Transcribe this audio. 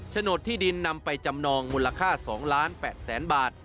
โดดที่ดินนำไปจำนองมูลค่า๒ล้าน๘แสนบาท